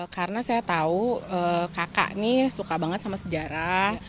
karena saya tahu kakak ini suka banget sama sejarah